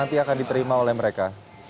atau apa yang akan diterima oleh mereka